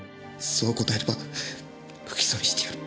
そう答えれば不起訴にしてやる。